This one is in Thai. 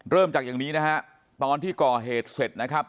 เริ่มจากอย่างนี้นะฮะตอนที่ก่อเหตุเสร็จนะครับ